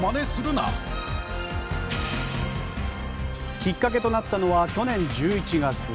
きっかけとなったのは去年１１月。